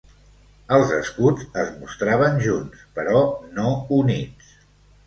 Els escuts es mostraven junts, però no units.